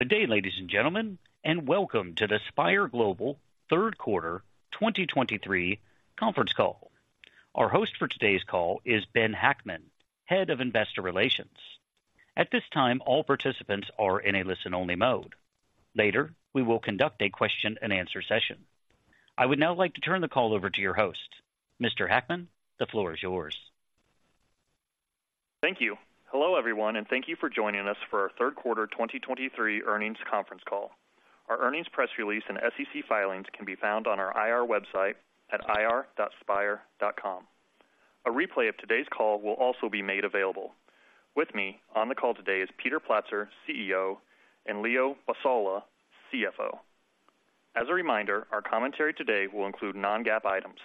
Good day, ladies and gentlemen, and welcome to the Spire Global Third Quarter 2023 Conference Call. Our host for today's call is Ben Hackman, Head of Investor Relations. At this time, all participants are in a listen-only mode. Later, we will conduct a question-and-answer session. I would now like to turn the call over to your host. Mr. Hackman, the floor is yours. Thank you. Hello, everyone, and thank you for joining us for our Third Quarter 2023 Earnings Conference Call. Our earnings press release and SEC filings can be found on our IR website at ir.spire.com. A replay of today's call will also be made available. With me on the call today is Peter Platzer, CEO, and Leo Basola, CFO. As a reminder, our commentary today will include non-GAAP items.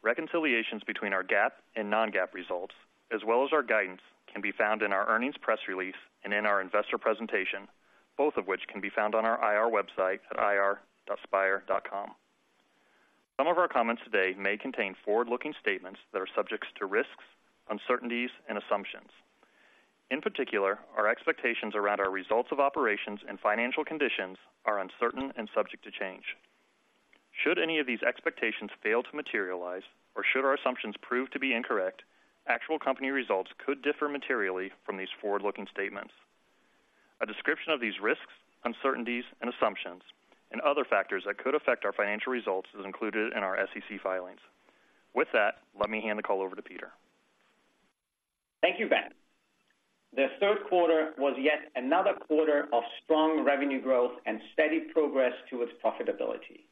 Reconciliations between our GAAP and non-GAAP results, as well as our guidance, can be found in our earnings press release and in our investor presentation, both of which can be found on our IR website at ir.spire.com. Some of our comments today may contain forward-looking statements that are subject to risks, uncertainties and assumptions. In particular, our expectations around our results of operations and financial conditions are uncertain and subject to change. Should any of these expectations fail to materialize or should our assumptions prove to be incorrect, actual company results could differ materially from these forward-looking statements. A description of these risks, uncertainties, and assumptions and other factors that could affect our financial results is included in our SEC filings. With that, let me hand the call over to Peter. Thank you, Ben. The third quarter was yet another quarter of strong revenue growth and steady progress to its profitability.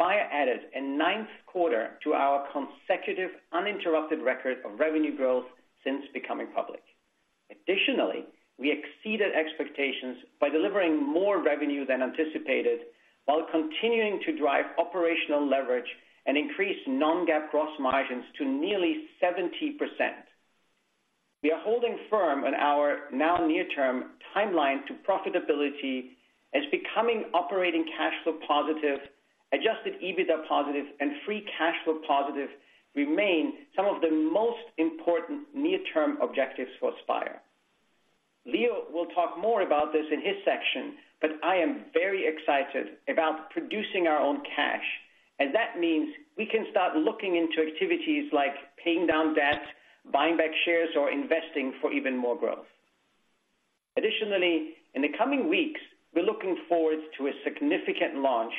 Spire added a ninth quarter to our consecutive uninterrupted record of revenue growth since becoming public. Additionally, we exceeded expectations by delivering more revenue than anticipated, while continuing to drive operational leverage and increase non-GAAP gross margins to nearly 70%. We are holding firm on our now near-term timeline to profitability as becoming operating cash flow positive, Adjusted EBITDA positive, and free cash flow positive remain some of the most important near-term objectives for Spire. Leo will talk more about this in his section, but I am very excited about producing our own cash, and that means we can start looking into activities like paying down debt, buying back shares, or investing for even more growth. Additionally, in the coming weeks, we're looking forward to a significant launch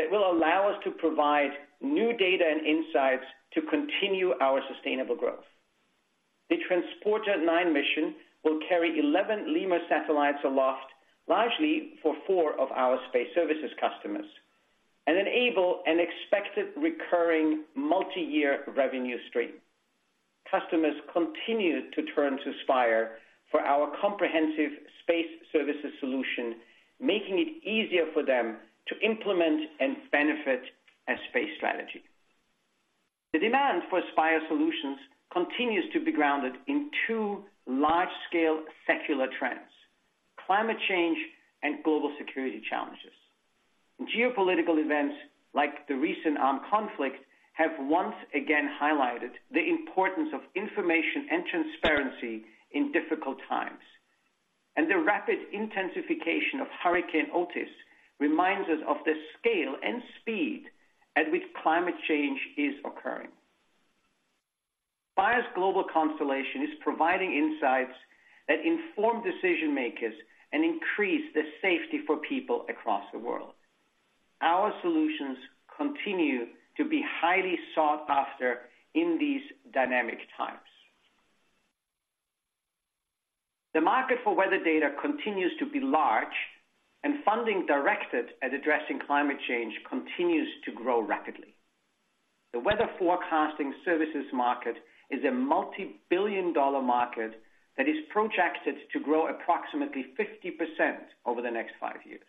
that will allow us to provide new data and insights to continue our sustainable growth. The Transporter nine mission will carry 11 Lemur satellites aloft, largely for four of our space services customers, and enable an expected recurring multi-year revenue stream. Customers continue to turn to Spire for our comprehensive space services solution, making it easier for them to implement and benefit a space strategy. The demand for Spire solutions continues to be grounded in two large-scale secular trends: climate change and global security challenges. Geopolitical events, like the recent armed conflict, have once again highlighted the importance of information and transparency in difficult times, and the rapid intensification of Hurricane Otis reminds us of the scale and speed at which climate change is occurring. Spire's global constellation is providing insights that inform decision-makers and increase the safety for people across the world. Our solutions continue to be highly sought after in these dynamic times. The market for weather data continues to be large, and funding directed at addressing climate change continues to grow rapidly. The weather forecasting services market is a multi-billion-dollar market that is projected to grow approximately 50% over the next five years.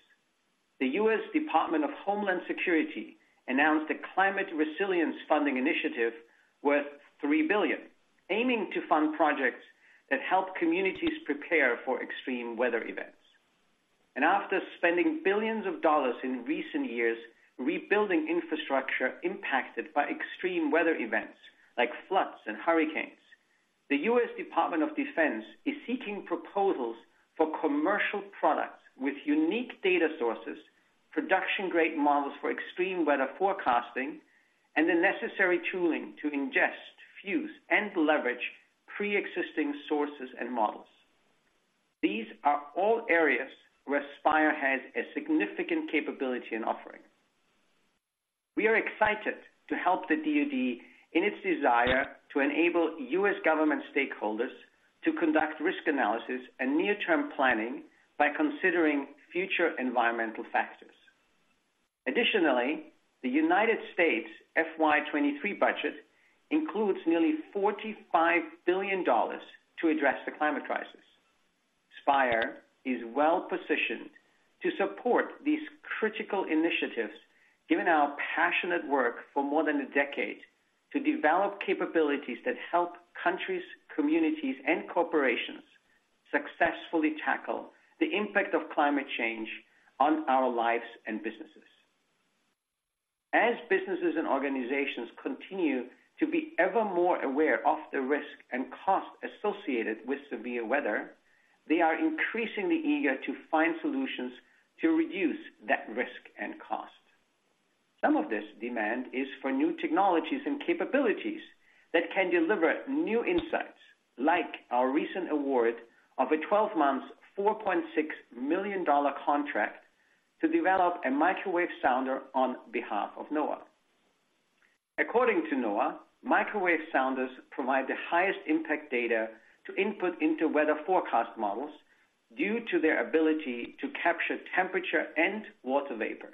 The U.S. Department of Homeland Security announced a climate resilience funding initiative worth $3 billion, aiming to fund projects that help communities prepare for extreme weather events. After spending billions of dollars in recent years rebuilding infrastructure impacted by extreme weather events like floods and hurricanes, the U.S. Department of Defense is seeking proposals for commercial products with unique data sources, production-grade models for extreme weather forecasting, and the necessary tooling to ingest, fuse, and leverage pre-existing sources and models. These are all areas where Spire has a significant capability and offering. We are excited to help the DoD in its desire to enable U.S. government stakeholders to conduct risk analysis and near-term planning by considering future environmental factors. Additionally, the United States FY 2023 budget includes nearly $45 billion to address the climate crisis. Spire is well positioned to support these critical initiatives, given our passionate work for more than a decade, to develop capabilities that help countries, communities, and corporations successfully tackle the impact of climate change on our lives and businesses. As businesses and organizations continue to be ever more aware of the risk and cost associated with severe weather, they are increasingly eager to find solutions to reduce that risk and cost. Some of this demand is for new technologies and capabilities that can deliver new insights, like our recent award of a 12-month, $4.6 million contract to develop a microwave sounder on behalf of NOAA. According to NOAA, microwave sounders provide the highest impact data to input into weather forecast models due to their ability to capture temperature and water vapor.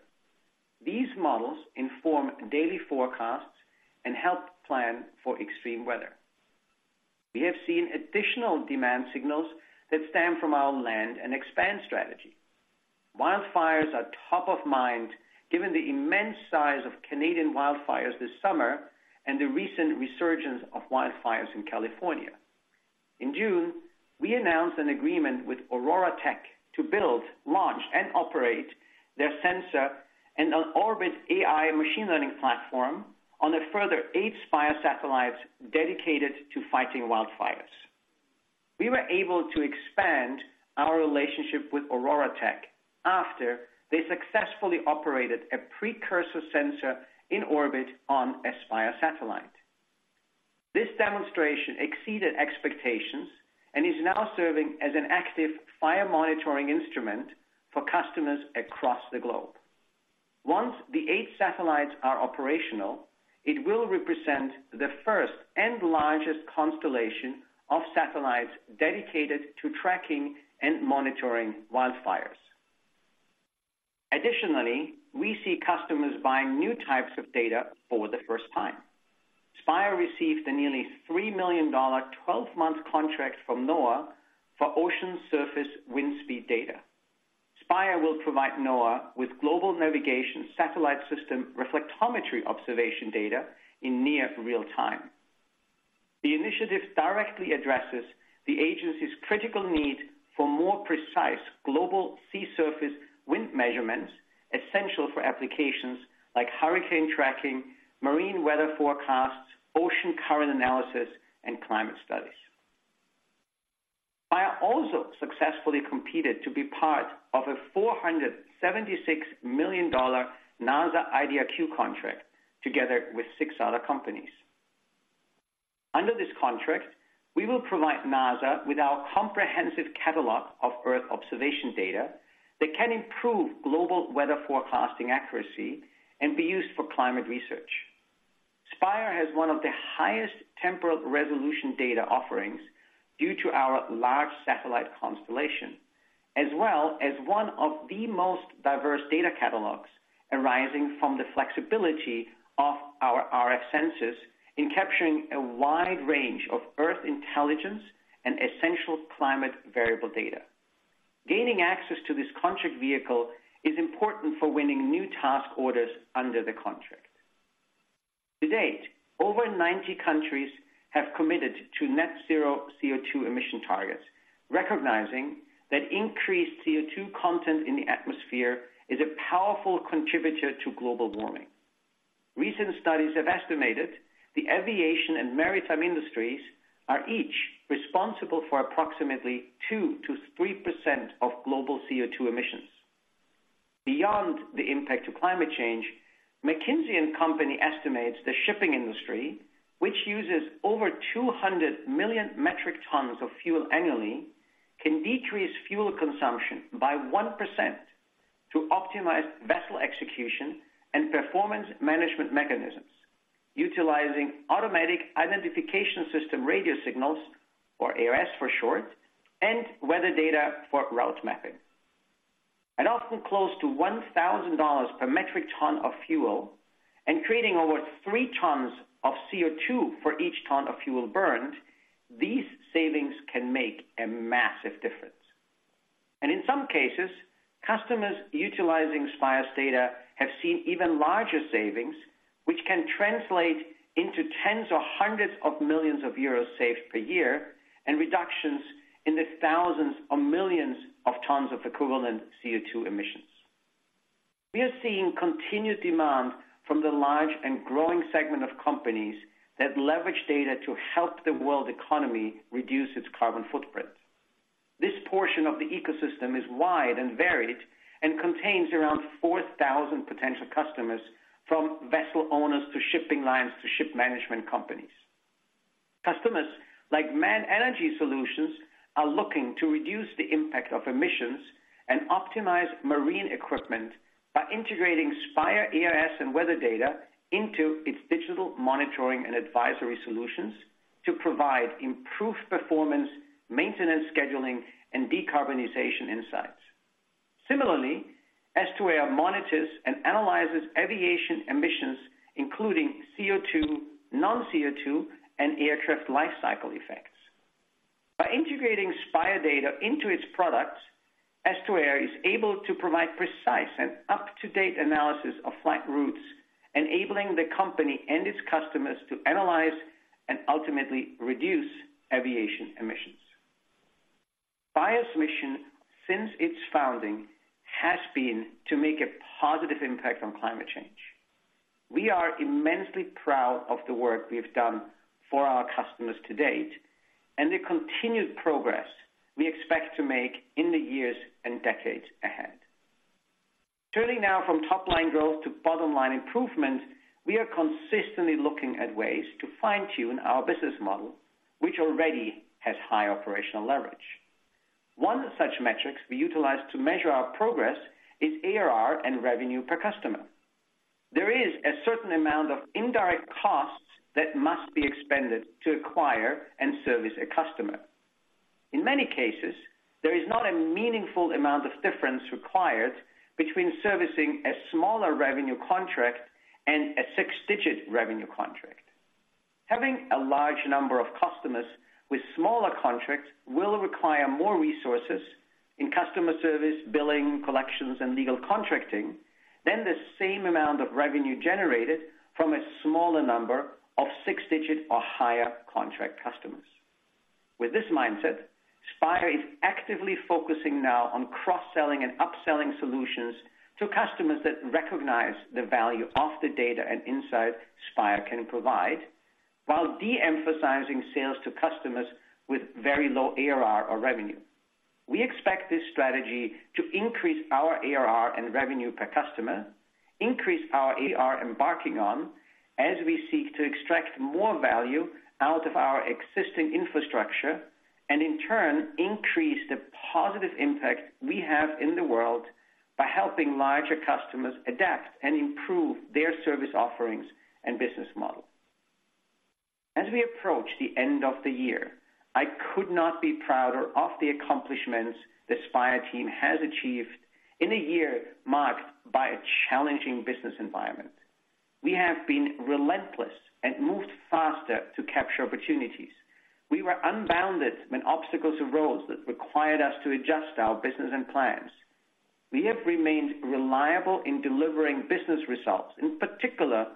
These models inform daily forecasts and help plan for extreme weather. We have seen additional demand signals that stem from our land and expand strategy. Wildfires are top of mind, given the immense size of Canadian wildfires this summer and the recent resurgence of wildfires in California. In June, we announced an agreement with OroraTech to build, launch, and operate their sensor and an orbit AI machine learning platform on a further eight Spire satellites dedicated to fighting wildfires. We were able to expand our relationship with OroraTech after they successfully operated a precursor sensor in orbit on a Spire satellite. This demonstration exceeded expectations and is now serving as an active fire monitoring instrument for customers across the globe. Once the eight satellites are operational, it will represent the first and largest constellation of satellites dedicated to tracking and monitoring wildfires. Additionally, we see customers buying new types of data for the first time. Spire received a nearly $3 million 12 months contract from NOAA for ocean surface wind speed data. Spire will provide NOAA with global navigation satellite system reflectometry observation data in near real time. The initiative directly addresses the agency's critical need for more precise global sea surface wind measurements, essential for applications like hurricane tracking, marine weather forecasts, ocean current analysis, and climate studies. Spire also successfully competed to be part of a $476 million NASA IDIQ contract together with six other companies. Under this contract, we will provide NASA with our comprehensive catalog of Earth observation data that can improve global weather forecasting accuracy and be used for climate research. Spire has one of the highest temporal resolution data offerings due to our large satellite constellation, as well as one of the most diverse data catalogs arising from the flexibility of our RF sensors in capturing a wide range of Earth intelligence and essential climate variable data. Gaining access to this contract vehicle is important for winning new task orders under the contract. To date, over 90 countries have committed to net zero CO2 emission targets, recognizing that increased CO2 content in the atmosphere is a powerful contributor to global warming. Recent studies have estimated the aviation and maritime industries are each responsible for approximately 2%-3% of global CO2 emissions. Beyond the impact of climate change, McKinsey & Company estimates the shipping industry, which uses over 200 million metric tons of fuel annually, can decrease fuel consumption by 1% to optimize vessel execution and performance management mechanisms, utilizing automatic identification system radio signals, or AIS for short, and weather data for route mapping. At often close to $1,000 per metric ton of fuel and creating over three tons of CO2 for each ton of fuel burned, these savings can make a massive difference. In some cases, customers utilizing Spire's data have seen even larger savings, which can translate into tens or hundreds of millions EUR saved per year and reductions in the thousands or millions of tons of equivalent CO2 emissions. We are seeing continued demand from the large and growing segment of companies that leverage data to help the world economy reduce its carbon footprint. This portion of the ecosystem is wide and varied and contains around 4,000 potential customers, from vessel owners to shipping lines to ship management companies. Customers like MAN Energy Solutions are looking to reduce the impact of emissions and optimize marine equipment by integrating Spire AIS and weather data into its digital monitoring and advisory solutions to provide improved performance, maintenance, scheduling, and decarbonization insights. Similarly, Estuaire monitors and analyzes aviation emissions, including CO2, non-CO2, and aircraft lifecycle effects. By integrating Spire data into its products, Estuaire is able to provide precise and up-to-date analysis of flight routes, enabling the company and its customers to analyze and ultimately reduce aviation emissions. Spire's mission since its founding has been to make a positive impact on climate change. We are immensely proud of the work we have done for our customers to date, and the continued progress we expect to make in the years and decades ahead. Turning now from top-line growth to bottom-line improvement, we are consistently looking at ways to fine-tune our business model, which already has high operational leverage. One such metrics we utilize to measure our progress is ARR and revenue per customer. There is a certain amount of indirect costs that must be expended to acquire and service a customer. In many cases, there is not a meaningful amount of difference required between servicing a smaller revenue contract and a six-digit revenue contract. Having a large number of customers with smaller contracts will require more resources in customer service, billing, collections, and legal contracting than the same amount of revenue generated from a smaller number of six-digit or higher contract customers. With this mindset, Spire is actively focusing now on cross-selling and upselling solutions to customers that recognize the value of the data and insight Spire can provide, while de-emphasizing sales to customers with very low ARR or revenue. We expect this strategy to increase our ARR and revenue per customer, increase our ARR embarking on, as we seek to extract more value out of our existing infrastructure, and in turn, increase the positive impact we have in the world by helping larger customers adapt and improve their service offerings and business model. As we approach the end of the year, I could not be prouder of the accomplishments the Spire team has achieved in a year marked by a challenging business environment. We have been relentless and moved faster to capture opportunities. We were unbounded when obstacles arose that required us to adjust our business and plans. We have remained reliable in delivering business results, in particular,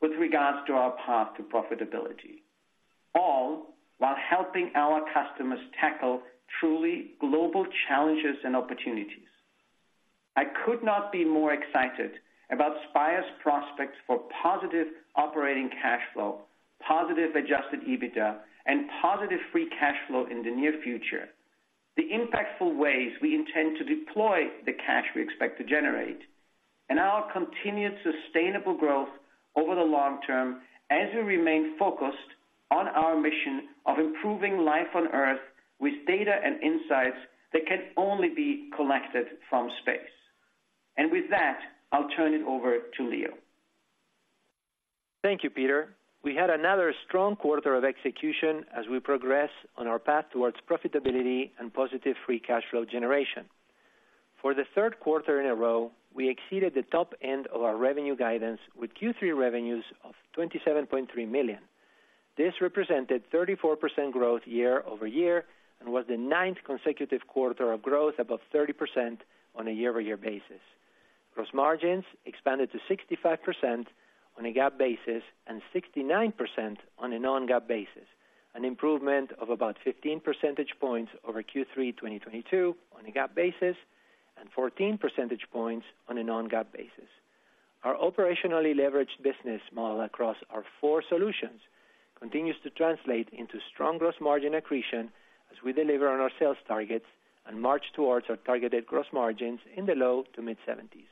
with regards to our path to profitability, all while helping our customers tackle truly global challenges and opportunities. I could not be more excited about Spire's prospects for positive operating cash flow, positive Adjusted EBITDA, and positive free cash flow in the near future. The impactful ways we intend to deploy the cash we expect to generate, and our continued sustainable growth over the long term as we remain focused on our mission of improving life on Earth with data and insights that can only be collected from space. With that, I'll turn it over to Leo. Thank you, Peter. We had another strong quarter of execution as we progress on our path towards profitability and positive free cash flow generation. For the third quarter in a row, we exceeded the top end of our revenue guidance with Q3 revenues of $27.3 million. This represented 34% growth year-over-year, and was the ninth consecutive quarter of growth above 30% on a year-over-year basis. Gross margins expanded to 65% on a GAAP basis and 69% on a non-GAAP basis, an improvement of about 15 percentage points over Q3 2022 on a GAAP basis, and 14 percentage points on a non-GAAP basis. Our operationally leveraged business model across our four solutions continues to translate into strong gross margin accretion as we deliver on our sales targets and march towards our targeted gross margins in the low-to-mid 70s.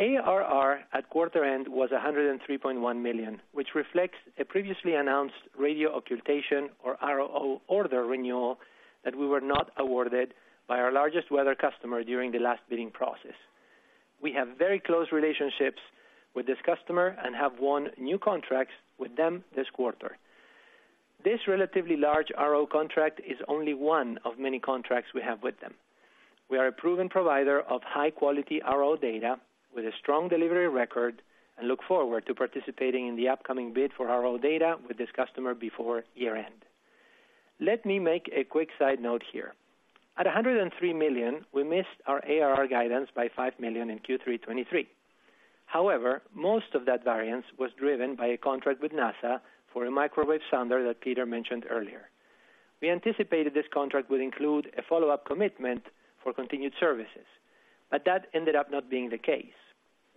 ARR at quarter end was $103.1 million, which reflects a previously announced radio occultation, or RRO, order renewal that we were not awarded by our largest weather customer during the last bidding process. We have very close relationships with this customer and have won new contracts with them this quarter. This relatively large RRO contract is only one of many contracts we have with them. We are a proven provider of high-quality RRO data with a strong delivery record, and look forward to participating in the upcoming bid for RRO data with this customer before year-end. Let me make a quick side note here. At $103 million, we missed our ARR guidance by $5 million in Q3 2023. However, most of that variance was driven by a contract with NASA for a microwave sounder that Peter mentioned earlier. We anticipated this contract would include a follow-up commitment for continued services, but that ended up not being the case.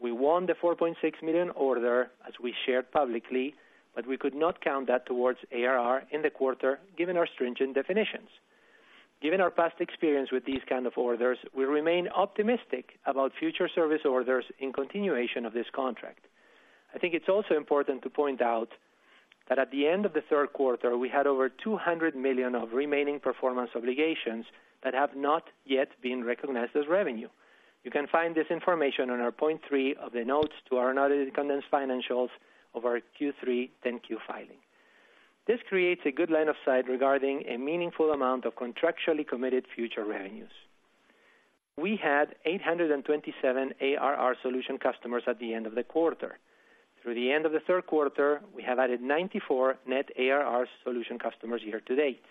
We won the $4.6 million order, as we shared publicly, but we could not count that towards ARR in the quarter, given our stringent definitions. Given our past experience with these kind of orders, we remain optimistic about future service orders in continuation of this contract. I think it's also important to point out that at the end of the third quarter, we had over $200 million of remaining performance obligations that have not yet been recognized as revenue. You can find this information on our 3 of the notes to our audited condensed financials of our Q3 10-Q filing. This creates a good line of sight regarding a meaningful amount of contractually committed future revenues. We had 827 ARR solution customers at the end of the quarter. Through the end of the third quarter, we have added 94 net ARR solution customers year to date.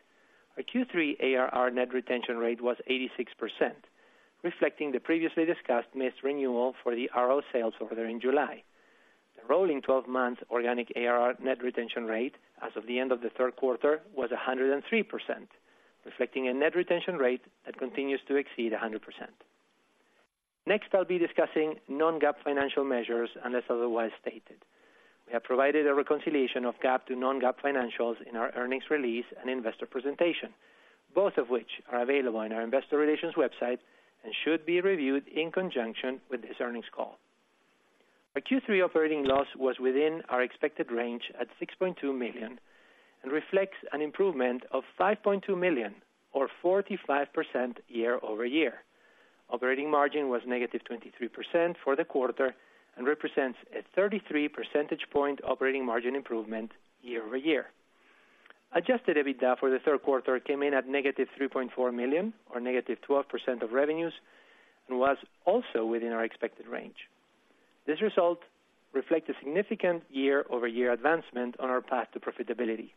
Our Q3 ARR net retention rate was 86%, reflecting the previously discussed missed renewal for the RRO sales order in July. The rolling 12 months organic ARR net retention rate as of the end of the third quarter was 103%, reflecting a net retention rate that continues to exceed 100%. Next, I'll be discussing non-GAAP financial measures, unless otherwise stated. We have provided a reconciliation of GAAP to non-GAAP financials in our earnings release and investor presentation, both of which are available on our investor relations website and should be reviewed in conjunction with this earnings call. Our Q3 operating loss was within our expected range at $6.2 million, and reflects an improvement of $5.2 million, or 45% year-over-year. Operating margin was -23% for the quarter and represents a 33 percentage point operating margin improvement year-over-year. Adjusted EBITDA for the third quarter came in at -$3.4 million, or -12% of revenues, and was also within our expected range. This result reflect a significant year-over-year advancement on our path to profitability.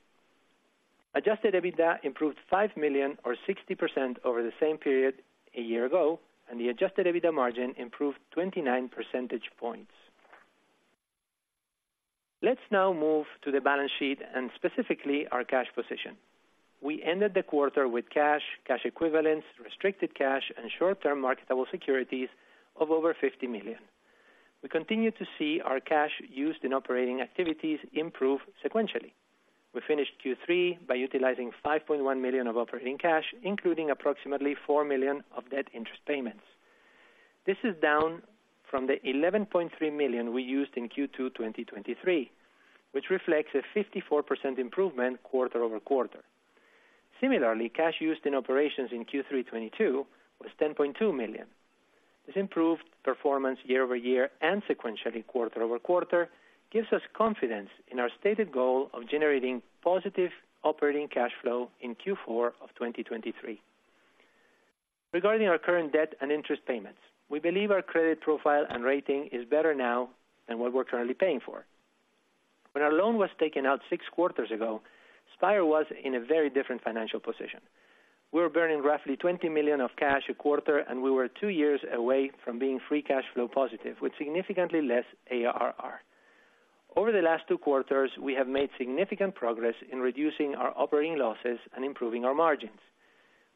Adjusted EBITDA improved $5 million or 60% over the same period a year ago, and the adjusted EBITDA margin improved 29 percentage points. Let's now move to the balance sheet and specifically our cash position. We ended the quarter with cash, cash equivalents, restricted cash, and short-term marketable securities of over $50 million. We continue to see our cash used in operating activities improve sequentially. We finished Q3 by utilizing $5.1 million of operating cash, including approximately $4 million of debt interest payments. This is down from the $11.3 million we used in Q2 2023, which reflects a 54% improvement quarter-over-quarter. Similarly, cash used in operations in Q3 2022 was $10.2 million. This improved performance year-over-year and sequentially quarter-over-quarter gives us confidence in our stated goal of generating positive operating cash flow in Q4 2023. Regarding our current debt and interest payments, we believe our credit profile and rating is better now than what we're currently paying for. When our loan was taken out six quarters ago, Spire was in a very different financial position. We were burning roughly $20 million of cash a quarter, and we were two years away from being free cash flow positive, with significantly less ARR. Over the last two quarters, we have made significant progress in reducing our operating losses and improving our margins.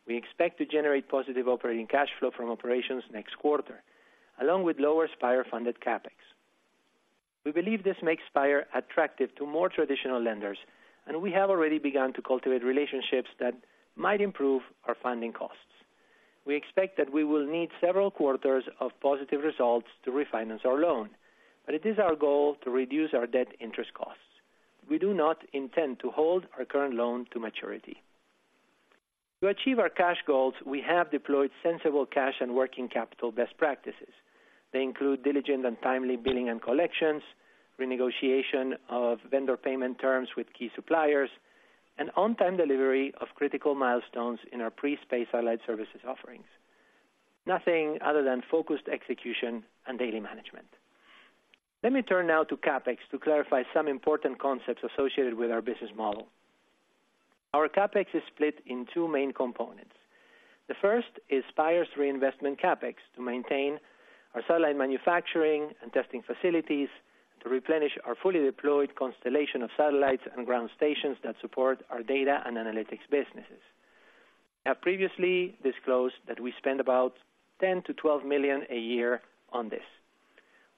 We expect to generate positive operating cash flow from operations next quarter, along with lower Spire-funded CapEx. We believe this makes Spire attractive to more traditional lenders, and we have already begun to cultivate relationships that might improve our funding costs. We expect that we will need several quarters of positive results to refinance our loan, but it is our goal to reduce our debt interest costs. We do not intend to hold our current loan to maturity. To achieve our cash goals, we have deployed sensible cash and working capital best practices. They include diligent and timely billing and collections, renegotiation of vendor payment terms with key suppliers, and on-time delivery of critical milestones in our pre-space satellite services offerings. Nothing other than focused execution and daily management. Let me turn now to CapEx to clarify some important concepts associated with our business model. Our CapEx is split in two main components. The first is Spire's reinvestment CapEx, to maintain our satellite manufacturing and testing facilities, to replenish our fully deployed constellation of satellites and ground stations that support our data and analytics businesses. I have previously disclosed that we spend about $10 million to $12 million a year on this.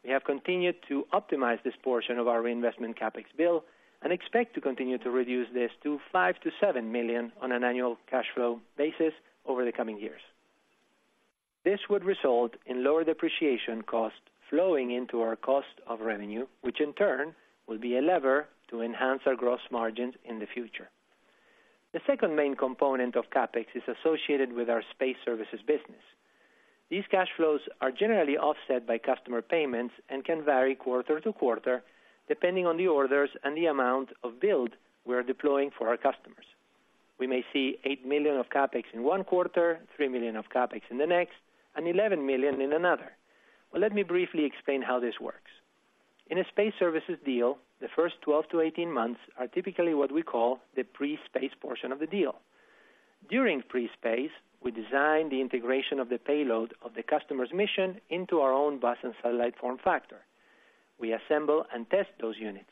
We have continued to optimize this portion of our reinvestment CapEx bill and expect to continue to reduce this to $5 millionto $7 million on an annual cash flow basis over the coming years. This would result in lower depreciation costs flowing into our cost of revenue, which in turn will be a lever to enhance our gross margins in the future. The second main component of CapEx is associated with our space services business. These cash flows are generally offset by customer payments and can vary quarter to quarter, depending on the orders and the amount of build we are deploying for our customers. We may see $8 million of CapEx in one quarter, $3 million of CapEx in the next, and $11 million in another. Well, let me briefly explain how this works. In a space services deal, the first 12 to 18 months are typically what we call the pre-space portion of the deal. During pre-space, we design the integration of the payload of the customer's mission into our own bus and satellite form factor. We assemble and test those units.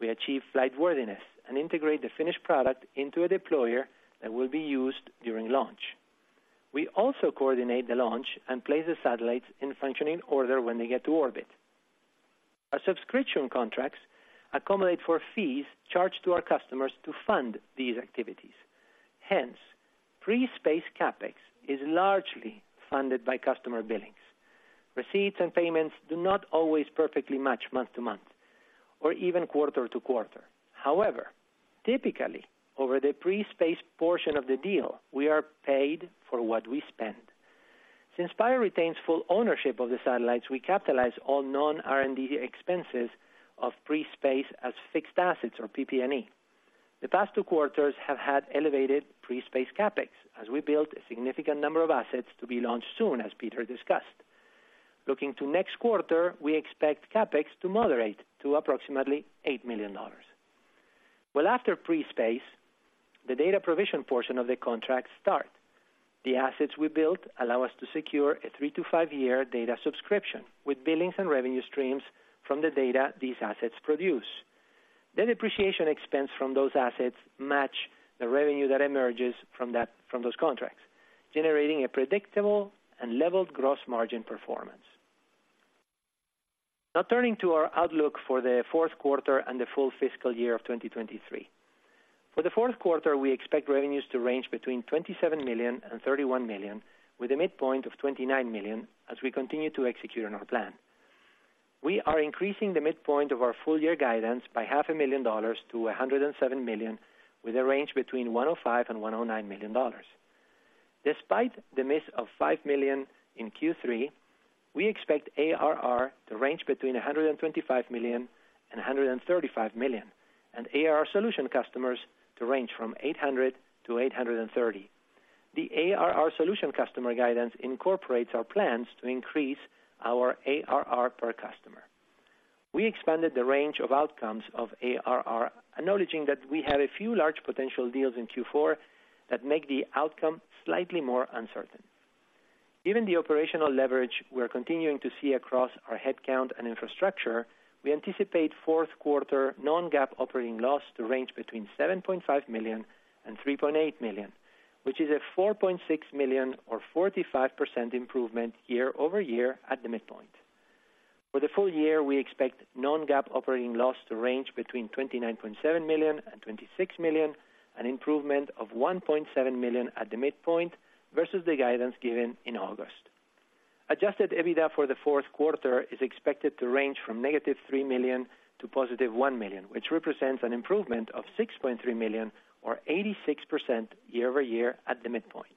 We achieve flight worthiness and integrate the finished product into a deployer that will be used during launch. We also coordinate the launch and place the satellites in functioning order when they get to orbit. Our subscription contracts accommodate for fees charged to our customers to fund these activities. Hence, pre-space CapEx is largely funded by customer billings. Receipts and payments do not always perfectly match month to month or even quarter to quarter. However, typically, over the pre-space portion of the deal, we are paid for what we spend. Since Spire retains full ownership of the satellites, we capitalize all non-R&D expenses of pre-space as fixed assets or PP&E. The past two quarters have had elevated pre-space CapEx, as we built a significant number of assets to be launched soon, as Peter discussed. Looking to next quarter, we expect CapEx to moderate to approximately $8 million. Well, after pre-space, the data provision portion of the contract start. The assets we built allow us to secure a three to five year data subscription, with billings and revenue streams from the data these assets produce. The depreciation expense from those assets match the revenue that emerges from that, from those contracts, generating a predictable and leveled gross margin performance. Now, turning to our outlook for the fourth quarter and the full fiscal year of 2023. For the fourth quarter, we expect revenues to range between $27 million and $31 million, with a midpoint of $29 million, as we continue to execute on our plan. We are increasing the midpoint of our full year guidance by $500,000 to $107 million, with a range between $105 million and $109 million. Despite the miss of $5 million in Q3, we expect ARR to range between $125 million and $135 million, and ARR solution customers to range from 800 to 830. The ARR solution customer guidance incorporates our plans to increase our ARR per customer. We expanded the range of outcomes of ARR, acknowledging that we have a few large potential deals in Q4 that make the outcome slightly more uncertain. Given the operational leverage we are continuing to see across our headcount and infrastructure, we anticipate fourth quarter non-GAAP operating loss to range between $7.5 million and $3.8 million, which is a $4.6 million or 45% improvement year-over-year at the midpoint. For the full year, we expect non-GAAP operating loss to range between $29.7 million and $26 million, an improvement of $1.7 million at the midpoint versus the guidance given in August. Adjusted EBITDA for the fourth quarter is expected to range from -$3 million to $1 million, which represents an improvement of $6.3 million or 86% year-over-year at the midpoint.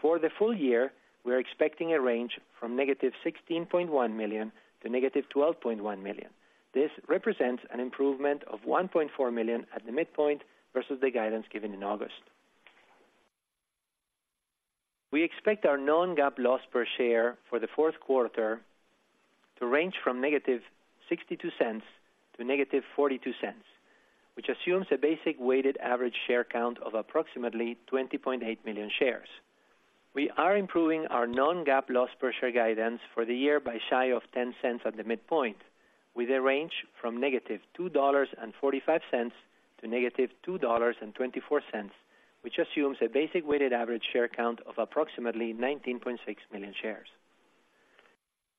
For the full year, we are expecting a range from -$16.1 million to -$12.1 million. This represents an improvement of $1.4 million at the midpoint versus the guidance given in August. We expect our non-GAAP loss per share for the fourth quarter to range from -$0.62 to -$0.42, which assumes a basic weighted average share count of approximately 20.8 million shares. We are improving our non-GAAP loss per share guidance for the year by shy of $10 at the midpoint, with a range from -$2.45 to -$2.24, which assumes a basic weighted average share count of approximately 19.6 million shares.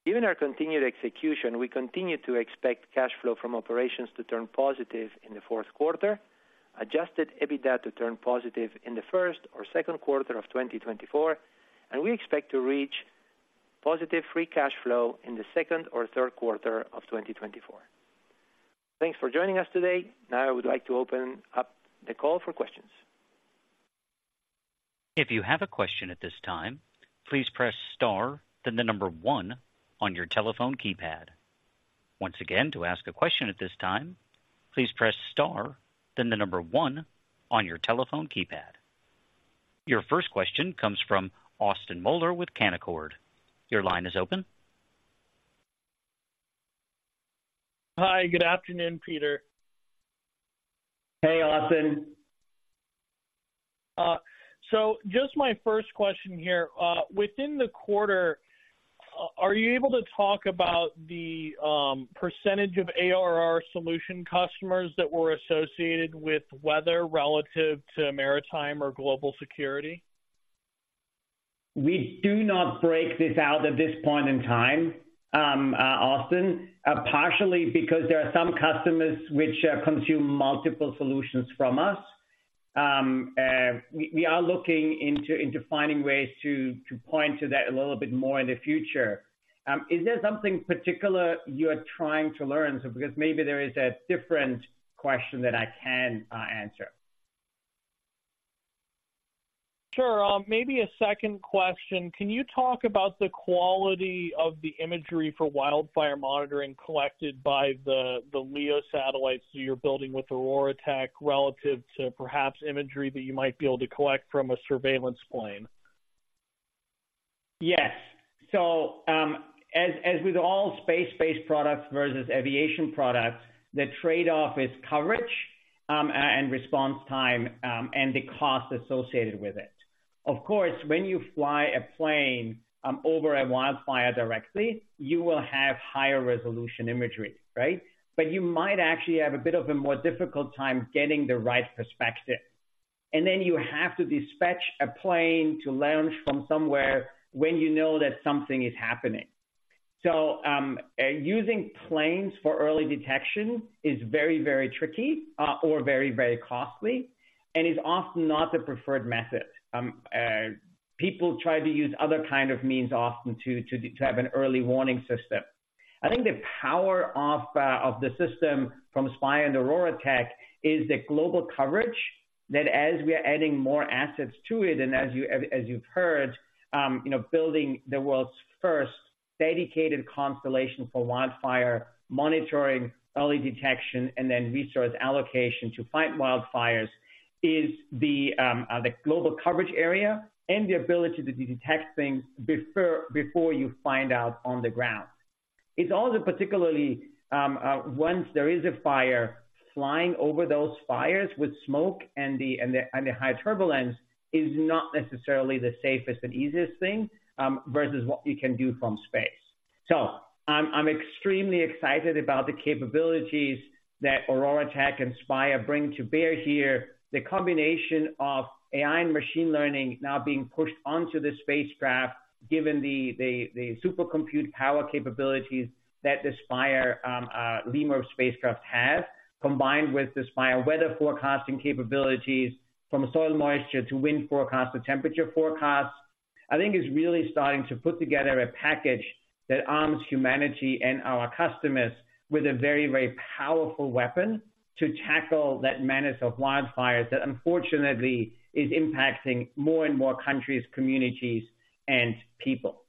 Given our continued execution, we continue to expect cash flow from operations to turn positive in the fourth quarter, Adjusted EBITDA to turn positive in the first or second quarter of 2024, and we expect to reach positive free cash flow in the second or third quarter of 2024. Thanks for joining us today. Now I would like to open up the call for questions. If you have a question at this time, please press star, then the number one on your telephone keypad. Once again, to ask a question at this time, please press star, then the number one on your telephone keypad. Your first question comes from Austin Moeller with Canaccord. Your line is open. Hi, good afternoon, Peter. Hey, Austin. So just my first question here. Within the quarter, are you able to talk about the percentage of ARR solution customers that were associated with weather relative to maritime or global security? We do not break this out at this point in time, Austin, partially because there are some customers which consume multiple solutions from us. We are looking into finding ways to point to that a little bit more in the future. Is there something particular you are trying to learn? So because maybe there is a different question that I can answer. Sure. Maybe a second question: Can you talk about the quality of the imagery for wildfire monitoring collected by the LEO satellites that you're building with OroraTech, relative to perhaps imagery that you might be able to collect from a surveillance plane? Yes. So, as with all space-based products versus aviation products, the trade-off is coverage, and response time, and the cost associated with it. Of course, when you fly a plane, over a wildfire directly, you will have higher resolution imagery, right? But you might actually have a bit of a more difficult time getting the right perspective. And then you have to dispatch a plane to launch from somewhere when you know that something is happening. So, using planes for early detection is very, very tricky, or very, very costly and is often not the preferred method. People try to use other kind of means often to have an early warning system. I think the power of the system from Spire and OroraTech is the global coverage, that as we are adding more assets to it, and as you've heard, you know, building the world's first dedicated constellation for wildfire monitoring, early detection, and then resource allocation to fight wildfires, is the global coverage area and the ability to detect things before you find out on the ground. It's also particularly once there is a fire, flying over those fires with smoke and the high turbulence is not necessarily the safest and easiest thing, versus what you can do from space. So I'm extremely excited about the capabilities that OroraTech and Spire bring to bear here. The combination of AI and machine learning now being pushed onto the spacecraft, given the super compute power capabilities that the Spire Lemur spacecraft have, combined with the Spire weather forecasting capabilities, from soil moisture to wind forecast to temperature forecasts, I think is really starting to put together a package that arms humanity and our customers with a very, very powerful weapon to tackle that menace of wildfires that unfortunately is impacting more and more countries, communities, and people.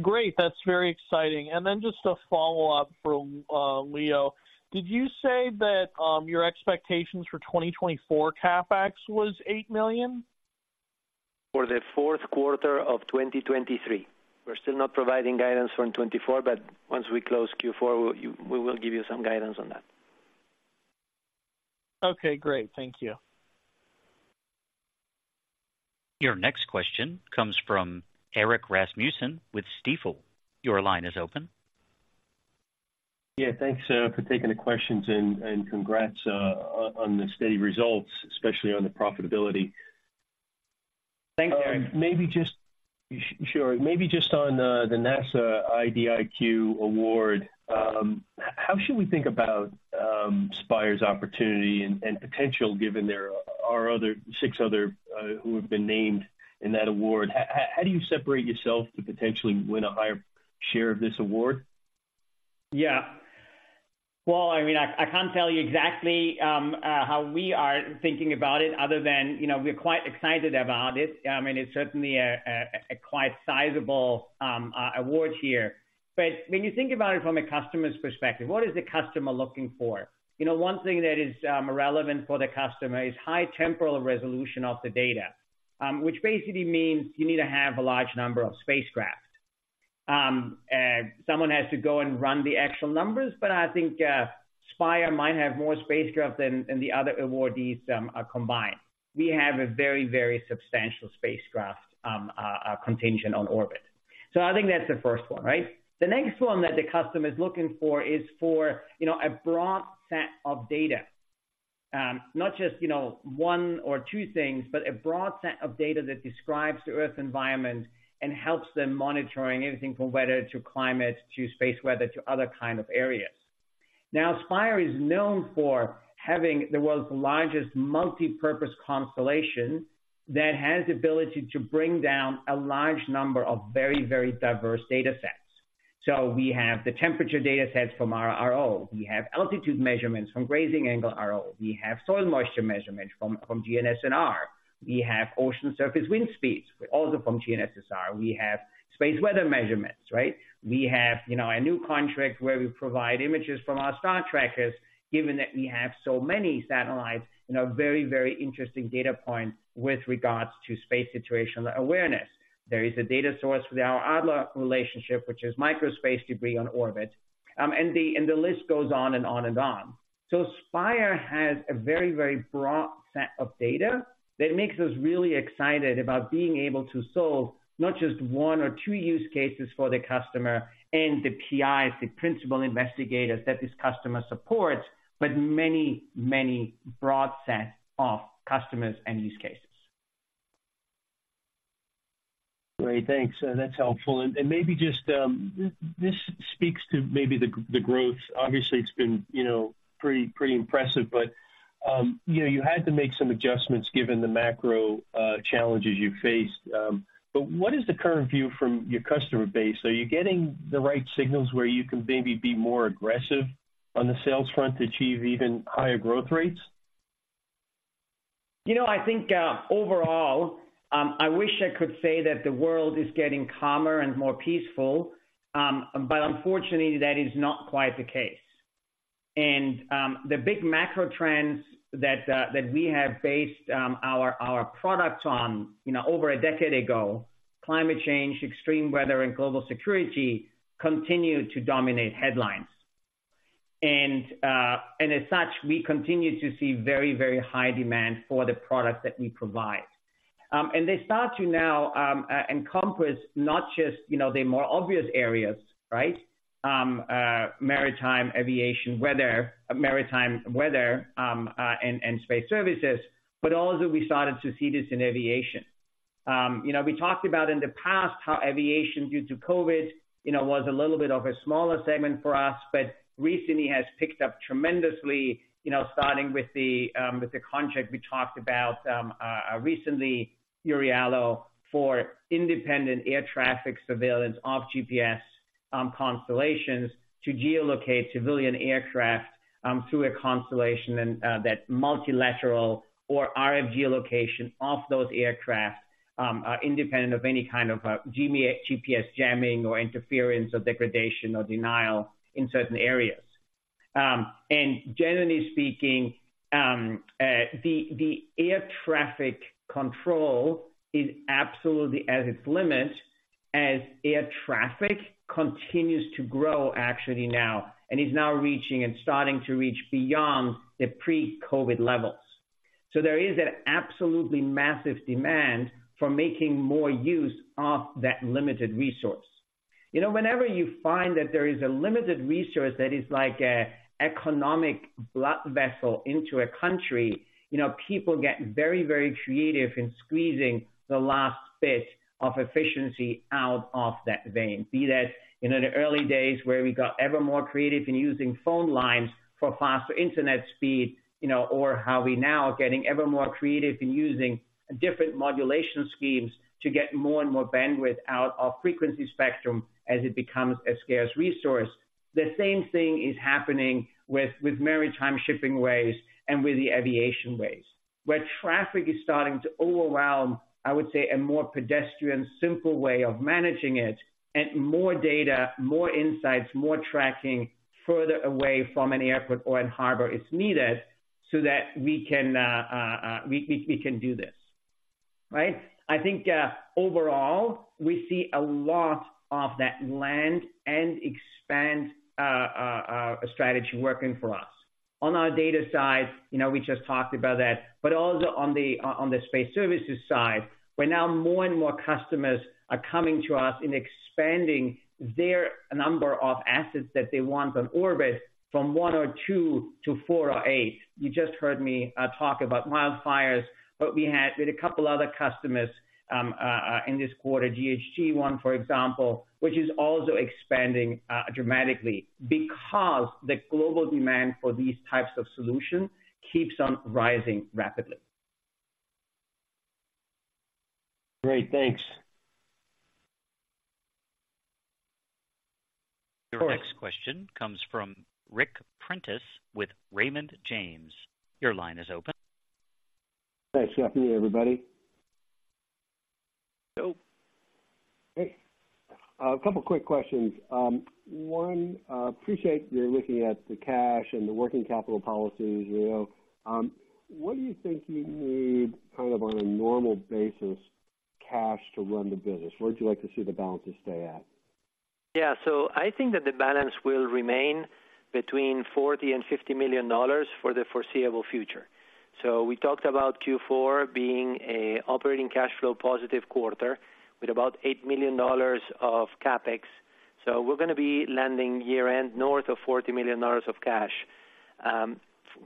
Great, that's very exciting. And then just a follow-up from Leo. Did you say that your expectations for 2024 CapEx was $8 million? For the fourth quarter of 2023. We're still not providing guidance for 2024, but once we close Q4, we will give you some guidance on that. Okay, great. Thank you. Your next question comes from Erik Rasmussen with Stifel. Your line is open. Yeah, thanks for taking the questions, and congrats on the steady results, especially on the profitability. Thanks, Erik. Sure. Maybe just on the NASA IDIQ award, how should we think about Spire's opportunity and, and potential, given there are six other who have been named in that award? How do you separate yourself to potentially win a higher share of this award? Yeah. Well, I mean, I can't tell you exactly how we are thinking about it, other than, you know, we're quite excited about it. I mean, it's certainly a quite sizable award here. But when you think about it from a customer's perspective, what is the customer looking for? You know, one thing that is relevant for the customer is high temporal resolution of the data, which basically means you need to have a large number of spacecraft. Someone has to go and run the actual numbers, but I think Spire might have more spacecraft than the other awardees combined. We have a very, very substantial spacecraft contingent on orbit. So I think that's the first one, right? The next one that the customer is looking for is for, you know, a broad set of data. Not just, you know, one or two things, but a broad set of data that describes the Earth environment and helps them monitoring anything from weather, to climate, to space weather, to other kind of areas. Now, Spire is known for having the world's largest multipurpose constellation that has the ability to bring down a large number of very, very diverse data sets. So we have the temperature data sets from our RO. We have altitude measurements from grazing angle RO. We have soil moisture measurements from GNSS-R. We have ocean surface wind speeds, also from GNSS-R. We have space weather measurements, right? We have, you know, a new contract where we provide images from our star trackers, given that we have so many satellites, you know, very, very interesting data points with regards to space situational awareness. There is a data source for our ADLER relationship, which is microspace debris on orbit. And the list goes on and on and on. So Spire has a very, very broad set of data that makes us really excited about being able to solve not just one or two use cases for the customer and the PIs, the principal investigators, that this customer supports, but many, many broad sets of customers and use cases. Great, thanks. That's helpful. And maybe just, this speaks to maybe the growth. Obviously, it's been, you know, pretty impressive, but you know, you had to make some adjustments given the macro challenges you faced. But what is the current view from your customer base? Are you getting the right signals where you can maybe be more aggressive on the sales front to achieve even higher growth rates? You know, I think overall, I wish I could say that the world is getting calmer and more peaceful, but unfortunately, that is not quite the case. The big macro trends that we have based our product on, you know, over a decade ago, climate change, extreme weather, and global security, continue to dominate headlines. And as such, we continue to see very, very high demand for the products that we provide. And they start to now encompass not just, you know, the more obvious areas, right? Maritime, aviation, weather, maritime, weather, and space services, but also we started to see this in aviation. You know, we talked about in the past how aviation, due to COVID, you know, was a little bit of a smaller segment for us, but recently has picked up tremendously, you know, starting with the contract we talked about recently, Eurialo, for independent air traffic surveillance off GPS constellations to geolocate civilian aircraft through a constellation and that's multilateration or RF geolocation off those aircraft independent of any kind of GPS jamming or interference or degradation or denial in certain areas. And generally speaking, the air traffic control is absolutely at its limit as air traffic continues to grow actually now, and is now reaching and starting to reach beyond the pre-COVID levels. So there is an absolutely massive demand for making more use of that limited resource. You know, whenever you find that there is a limited resource that is like an economic blood vessel into a country, you know, people get very, very creative in squeezing the last bit of efficiency out of that vein. Be that, you know, in the early days where we got ever more creative in using phone lines for faster internet speed, you know, or how we now are getting ever more creative in using different modulation schemes to get more and more bandwidth out of frequency spectrum as it becomes a scarce resource. The same thing is happening with maritime shipping ways and with the aviation ways, where traffic is starting to overwhelm, I would say, a more pedestrian, simple way of managing it, and more data, more insights, more tracking further away from an airport or a harbor is needed so that we can do this, right? I think overall, we see a lot of that land and expand strategy working for us. On our data side, you know, we just talked about that, but also on the space services side, where now more and more customers are coming to us and expanding their number of assets that they want on orbit from one or two to four or eight. You just heard me talk about wildfires, but we had with a couple other customers in this quarter, GHGSat, for example, which is also expanding dramatically because the global demand for these types of solutions keeps on rising rapidly. Great, thanks. Your next question comes from Ric Prentiss with Raymond James. Your line is open. Thanks. Good afternoon, everybody. Hello. Hey, a couple of quick questions. One, I appreciate you're looking at the cash and the working capital policies, you know. What do you think you need, kind of on a normal basis, cash to run the business? Where'd you like to see the balances stay at? Yeah, so I think that the balance will remain between $40 million and $50 million for the foreseeable future. So we talked about Q4 being an operating cash flow positive quarter with about $8 million of CapEx. So we're going to be landing year-end north of $40 million of cash.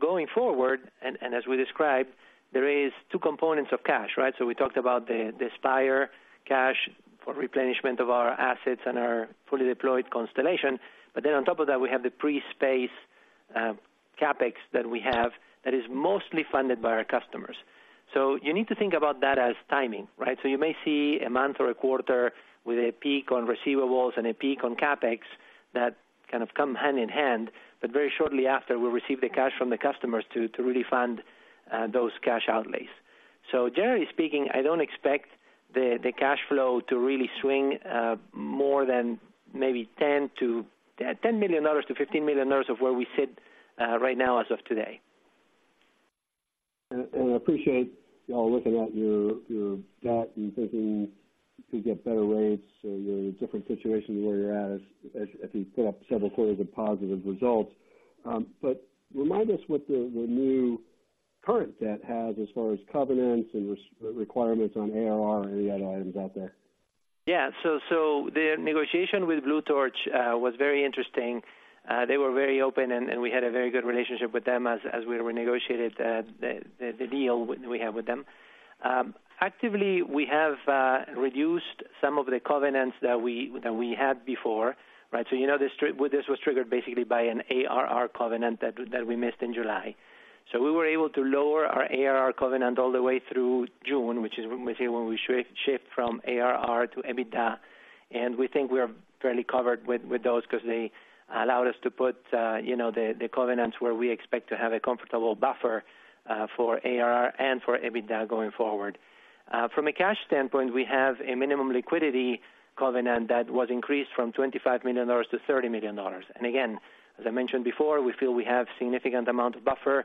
Going forward, and as we described, there is two components of cash, right? So we talked about the Spire cash for replenishment of our assets and our fully deployed constellation. But then on top of that, we have the pre-space CapEx that we have, that is mostly funded by our customers. So you need to think about that as timing, right? So you may see a month or a quarter with a peak on receivables and a peak on CapEx that kind of come hand in hand, but very shortly after, we'll receive the cash from the customers to really fund those cash outlays. So generally speaking, I don't expect the cash flow to really swing more than maybe $10 million to $15 million of where we sit right now as of today. I appreciate y'all looking at your debt and thinking to get better rates so you're in a different situation than where you're at, as if you put up several quarters of positive results. But remind us what the new current debt has as far as covenants and requirements on ARR or any other items out there. Yeah. So the negotiation with Blue Torch was very interesting. They were very open and we had a very good relationship with them as we renegotiated the deal we have with them. We have reduced some of the covenants that we had before, right? So you know, this was triggered basically by an ARR covenant that we missed in July. So we were able to lower our ARR covenant all the way through June, which is when we shift from ARR to EBITDA. And we think we are fairly covered with those because they allowed us to put the covenants where we expect to have a comfortable buffer for ARR and for EBITDA going forward. From a cash standpoint, we have a minimum liquidity covenant that was increased from $25 million to $30 million. Again, as I mentioned before, we feel we have significant amount of buffer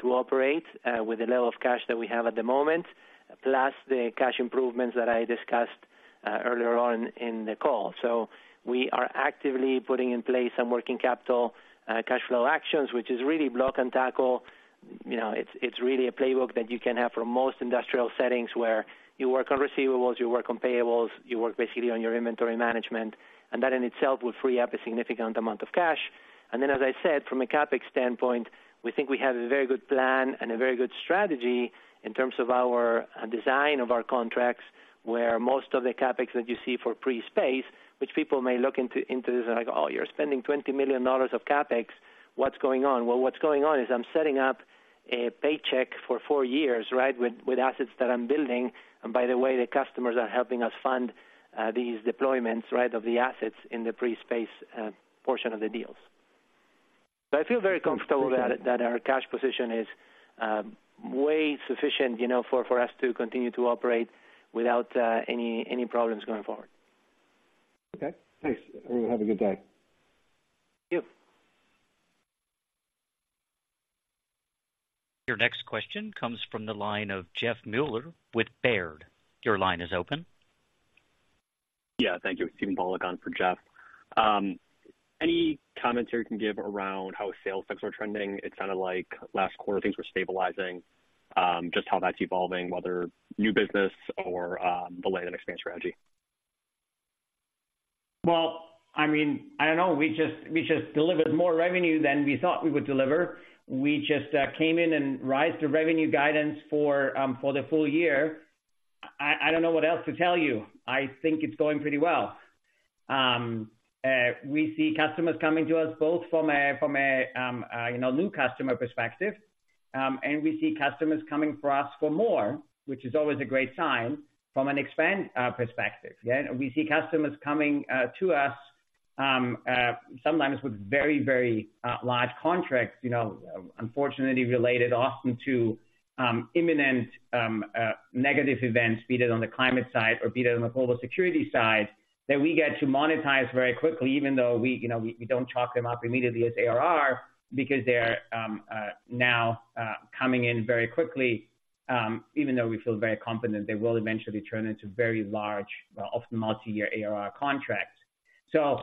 to operate with the level of cash that we have at the moment, plus the cash improvements that I discussed earlier on in the call. We are actively putting in place some working capital cash flow actions, which is really block and tackle. You know, it's really a playbook that you can have for most industrial settings, where you work on receivables, you work on payables, you work basically on your inventory management, and that in itself will free up a significant amount of cash. And then, as I said, from a CapEx standpoint, we think we have a very good plan and a very good strategy in terms of our design of our contracts, where most of the CapEx that you see for pre-space, which people may look into this and like, "Oh, you're spending $20 million of CapEx. What's going on?" Well, what's going on is I'm setting up a paycheck for four years, right, with assets that I'm building. And by the way, the customers are helping us fund these deployments, right, of the assets in the pre-space portion of the deals. So I feel very comfortable that our cash position is way sufficient, you know, for us to continue to operate without any problems going forward. Okay, thanks. Everyone have a good day. Thank you. Your next question comes from the line of Jeff Mueller with Baird. Your line is open. Yeah, thank you. Steven Goldberg for Jeff. Any commentary you can give around how sales effects are trending? It sounded like last quarter things were stabilizing. Just how that's evolving, whether new business or, the way the next strategy. Well, I mean, I don't know. We just delivered more revenue than we thought we would deliver. We just came in and raised the revenue guidance for the full year. I don't know what else to tell you. I think it's going pretty well. We see customers coming to us both from a new customer perspective, you know, and we see customers coming to us for more, which is always a great sign from an expansion perspective. Yeah, we see customers coming to us sometimes with very, very large contracts, you know, unfortunately related often to imminent negative events, be it on the climate side or be it on the global security side, that we get to monetize very quickly, even though we, you know, don't chalk them up immediately as ARR because they're now coming in very quickly, even though we feel very confident they will eventually turn into very large, often multi-year ARR contracts. So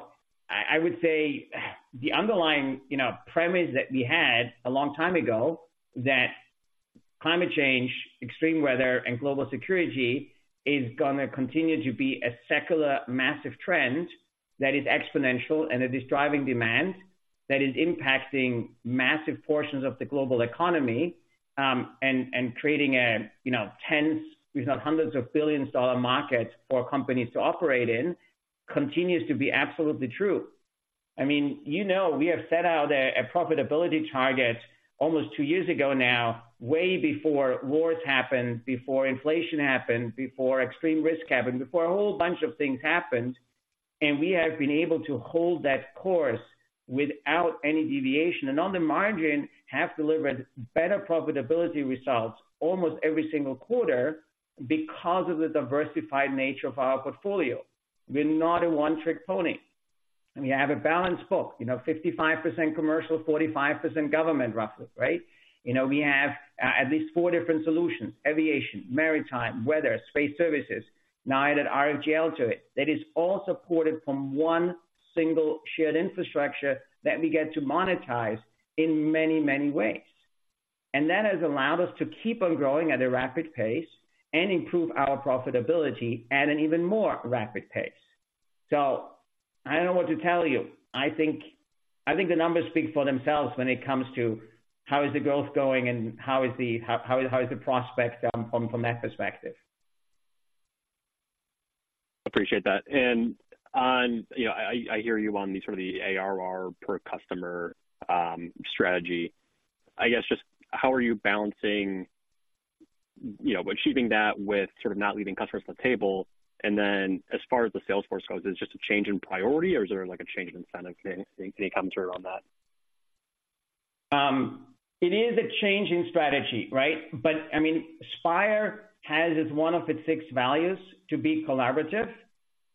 I would say, the underlying, you know, premise that we had a long time ago, that climate change, extreme weather, and global security is gonna continue to be a secular, massive trend that is exponential and it is driving demand, that is impacting massive portions of the global economy, and creating a, you know, tens, if not hundreds, of billion-dollar markets for companies to operate in, continues to be absolutely true. I mean, you know, we have set out a profitability target almost two years ago now, way before wars happened, before inflation happened, before extreme risk happened, before a whole bunch of things happened, and we have been able to hold that course without any deviation, and on the margin, have delivered better profitability results almost every single quarter because of the diversified nature of our portfolio. We're not a one-trick pony. We have a balanced book, you know, 55 commercial, 45 government, roughly, right? You know, we have at least four different solutions, aviation, maritime, weather, space services, now added RFGL to it. That is all supported from one single shared infrastructure that we get to monetize in many, many ways. And that has allowed us to keep on growing at a rapid pace and improve our profitability at an even more rapid pace. So I don't know what to tell you. I think, I think the numbers speak for themselves when it comes to how is the growth going and how is the prospect from that perspective. Appreciate that. And on you know, I hear you on the sort of the ARR per customer strategy. I guess just how are you balancing, you know, achieving that with sort of not leaving customers at the table? And then, as far as the sales force goes, is it just a change in priority, or is there, like, a change in incentive? Can you comment here on that? It is a change in strategy, right? But, I mean, Spire has as one of its six values to be collaborative,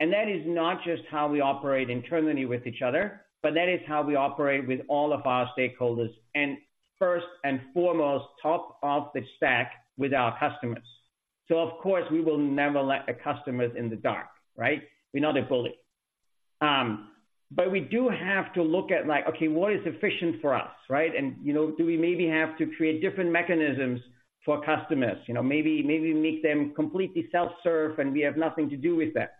and that is not just how we operate internally with each other, but that is how we operate with all of our stakeholders, and first and foremost, top of the stack with our customers. So of course, we will never let the customers in the dark, right? We're not a bully. But we do have to look at, like, okay, what is efficient for us, right? And, you know, do we maybe have to create different mechanisms for customers? You know, maybe, maybe make them completely self-serve and we have nothing to do with that,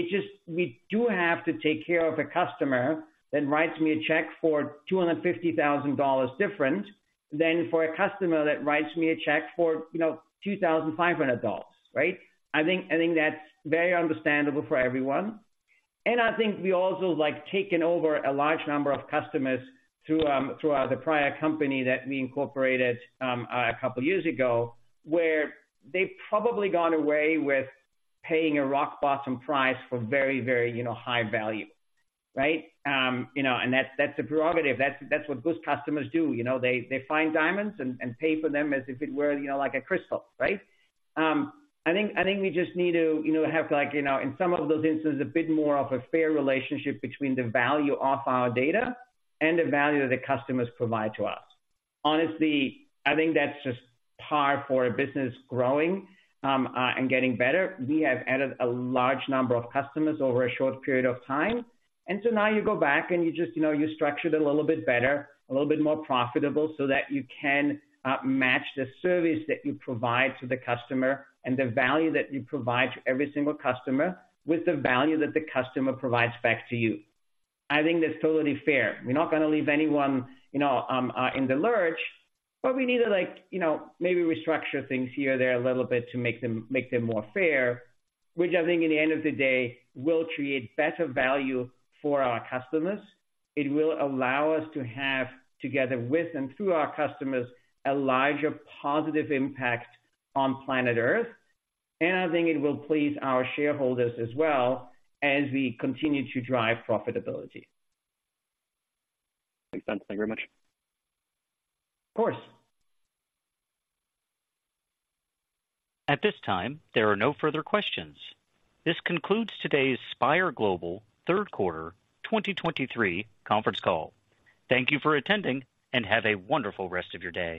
right? It's just, we do have to take care of a customer that writes me a check for $250,000 different than for a customer that writes me a check for, you know, $2,500, right? I think, I think that's very understandable for everyone. And I think we also like taking over a large number of customers through the prior company that we incorporated a couple of years ago, where they've probably gone away with paying a rock bottom price for very, very, you know, high value, right? You know, and that's, that's a prerogative. That's, that's what good customers do, you know. They, they find diamonds and, and pay for them as if it were, you know, like a crystal, right? I think, I think we just need to, you know, have, like, you know, in some of those instances, a bit more of a fair relationship between the value of our data and the value that the customers provide to us. Honestly, I think that's just par for a business growing, and getting better. We have added a large number of customers over a short period of time, and so now you go back and you just, you know, you structure it a little bit better, a little bit more profitable, so that you can, match the service that you provide to the customer and the value that you provide to every single customer with the value that the customer provides back to you. I think that's totally fair. We're not gonna leave anyone, you know, in the lurch, but we need to like, you know, maybe restructure things here or there a little bit to make them, make them more fair, which I think in the end of the day, will create better value for our customers. It will allow us to have, together with and through our customers, a larger positive impact on planet Earth, and I think it will please our shareholders as well, as we continue to drive profitability. Makes sense. Thank you very much. Of course. At this time, there are no further questions. This concludes today's Spire Global third quarter 2023 conference call. Thank you for attending, and have a wonderful rest of your day.